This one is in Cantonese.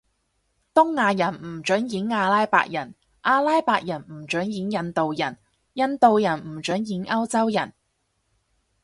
東亞人唔准演阿拉伯人，阿拉伯人唔准演印度人，印度人唔准演歐洲人？